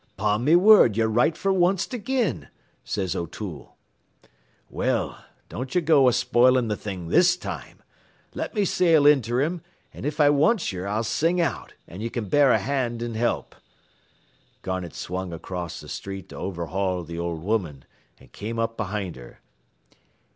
"''Pon me whurd, ye're right fer onct agin,' says O'Toole. "'Well, don't go a spoilin' th' thing this time. Let me sail inter him, an' if I wants yer, I'll sing out, an' ye can bear a hand an' help.' Garnett swung across th' street to overhaul th' old woman, an' came up behind her.